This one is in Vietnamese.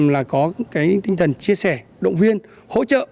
là có cái tinh thần chia sẻ động viên hỗ trợ